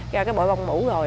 ra cái bội bông mủ rồi